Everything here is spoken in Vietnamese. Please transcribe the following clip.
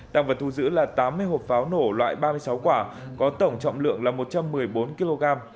tăng vật thu giữ là tám mươi hộp pháo nổ loại ba mươi sáu quả có tổng trọng lượng là một trăm một mươi bốn kg